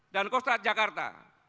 dan kostrad jakarta